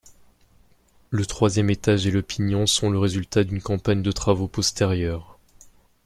Le troisième étage et le pignon sont le résultat d'une campagne de travaux postérieurs.